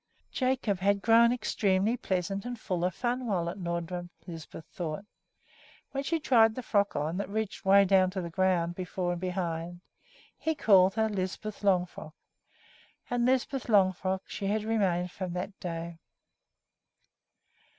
Jacob had grown extremely pleasant and full of fun while at Nordrum, Lisbeth thought. When she tried the frock on and it reached way down to the ground before and behind, he called her "Lisbeth Longfrock" and Lisbeth Longfrock she had remained from that day.